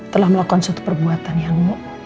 telah melakukan suatu perbuatan yang